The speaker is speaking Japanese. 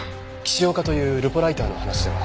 岸岡というルポライターの話では。